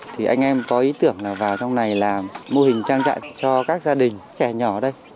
thì anh em có ý tưởng là vào trong này làm mô hình trang trại cho các gia đình trẻ nhỏ đây